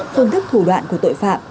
phương thức thủ đoạn của tội phạm